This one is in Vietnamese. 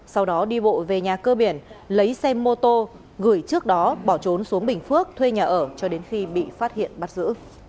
sau đó đi bộ về nhà cơ biển lấy xe mô tô gửi trước đó bỏ trốn xuống bình phước thuê nhà ở cho đến khi bị phát hiện bắt giữ